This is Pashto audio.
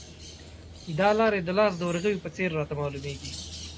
دا لارې د لاس د ورغوي په څېر راته معلومې دي.